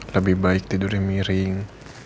lebih baik tidur di miring